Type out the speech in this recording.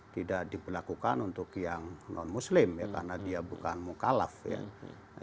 tidak diperlakukan untuk yang non muslim ya karena dia bukan mukalaf ya